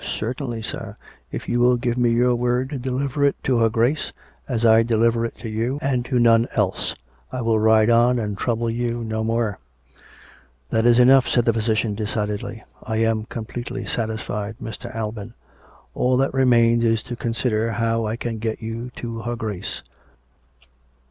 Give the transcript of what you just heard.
''"" Certainly, sir. If you will give me your word to de liver it to her Grace, as I deliver it to you, and to none else, I will ride on and trouble you no more." " That is enough," said the physician decidedly. " I am completely satisfied, Mr. Alban. All that remains is to consider how I can get you to her Grace."